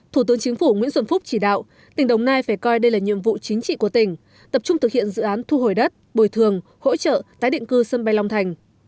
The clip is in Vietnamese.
thủ tướng chính phủ nguyễn xuân phúc chỉ đạo tỉnh đồng nai phải coi đây là nhiệm vụ chính trị của tỉnh tập trung thực hiện dự án thu hồi đất bồi thường hỗ trợ tái định cư sân bay long thành